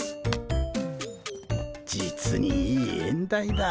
実にいい縁台だ。